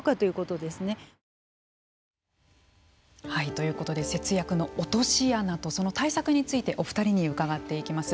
ということで節約の落とし穴とその対策についてお二人に伺っていきます。